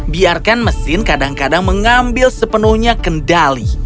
biarkan mesin kadang kadang mengambil sepenuhnya kendali